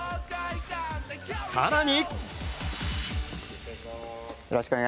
更に。